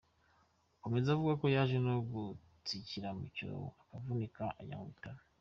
Akomeza avuga ko yaje no gutsikira mu cyobo akavunika, ajya mu bitaro.